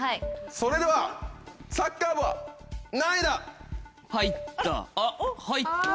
それではサッカーは何位だ⁉入った！